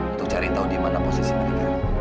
untuk cari tahu di mana posisi mereka